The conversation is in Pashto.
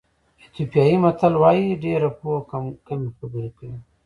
ایتیوپیایي متل وایي ډېره پوهه کمې خبرې کوي.